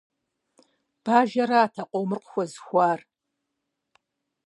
Бажэрат а къомыр къыхуэзыхуар.